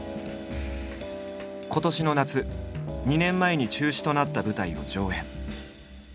今年の夏２年前に中止となった舞台を上演。